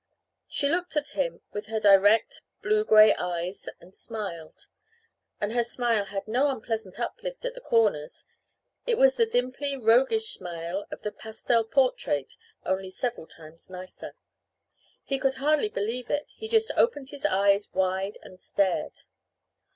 She looked at him with her direct, blue gray eyes, and smiled. And her smile had no unpleasant uplift at the corners; it was the dimply, roguish smile of the pastel portrait only several times nicer. Re could hardly believe it; he just opened his eyes wide and stared.